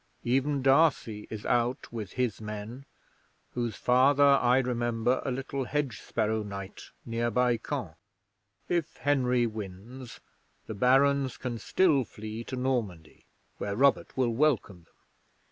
Even D'Arcy is out with his men, whose father I remember a little hedge sparrow knight nearby Caen. If Henry wins, the Barons can still flee to Normandy, where Robert will welcome them.